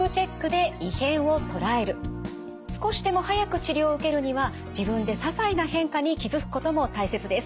少しでも早く治療を受けるには自分でささいな変化に気付くことも大切です。